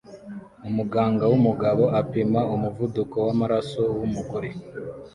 Umuganga wumugabo apima umuvuduko wamaraso wumugore